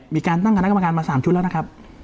มีการตั้งคณะกรรมการมา๓ชุดแล้วนะครับ